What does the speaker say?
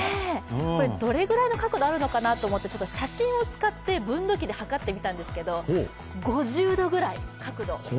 どれぐらいの角度があるのかなと思って、写真を使って分度器ではかってみたんですけど５０度くらい、角度。